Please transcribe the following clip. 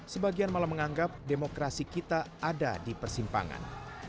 sebagian malah menganggap demokrasi kita ada di persimpangan